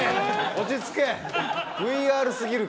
落ち着け。